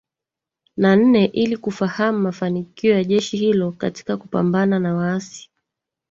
na nne ili kufahamu mafanikio ya jeshi hilo katika kupambana na waasi